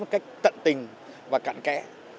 bằng cách tận tình và cạn kẽ